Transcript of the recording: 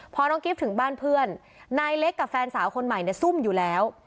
พอน้องกิฟต์ถึงบ้านเพื่อนนายเล็กกับแฟนสาวคนใหม่เนี่ยซุ่มอยู่แล้ว